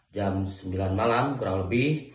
jam sembilan malam kurang lebih